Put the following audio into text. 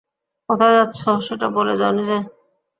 কোথায় যাচ্ছো সেটা বলে যাওনি কেন?